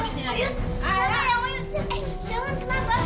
eh jangan kenapa